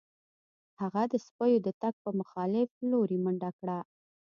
هغه د سپیو د تګ په مخالف لوري منډه کړه